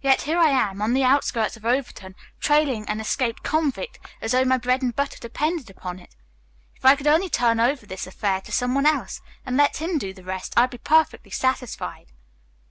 Yet here I am, on the outskirts of Overton, trailing an escaped convict as though my bread and butter depended upon it. If I could only turn over this affair to some one else, and let him do the rest, I'd be perfectly satisfied."